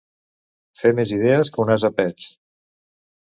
Fer més idees que un ase pets.